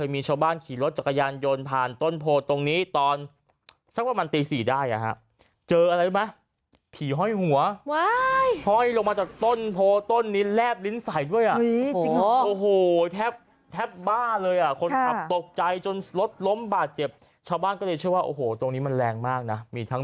มีชาวบ้านขี่รถจากกระยานโยนผ่านต้นโพตรตรงนี้ตอน